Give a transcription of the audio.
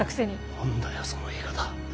何だよその言い方。